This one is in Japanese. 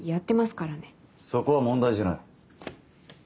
そこは問題じゃない。